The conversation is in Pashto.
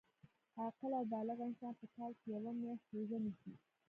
عاقل او بالغ انسان په کال کي یوه میاشت روژه نیسي